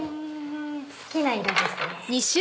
好きな色ですね。